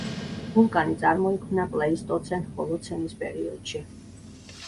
ვულკანი წარმოიქმნა პლეისტოცენ–ჰოლოცენის პერიოდში.